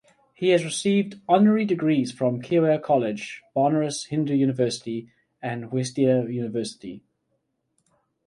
He has received honorary degrees from Keiwa College, Banaras Hindu University, and Waseda University.